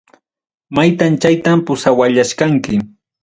Maytam chaytam pusallawachkanki.